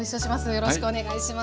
よろしくお願いします。